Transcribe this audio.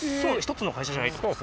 １つの会社じゃないってこと？